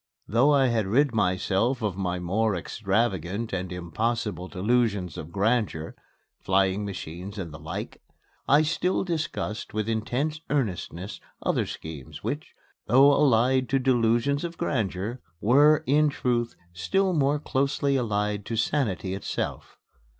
Though I had rid myself of my more extravagant and impossible delusions of grandeur flying machines and the like I still discussed with intense earnestness other schemes, which, though allied to delusions of grandeur, were, in truth, still more closely allied to sanity itself.